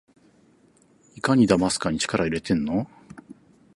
いかにだますかに力いれてんの？